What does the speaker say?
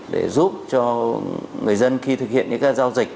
để giúp cho người dân khi thực hiện những các giao dịch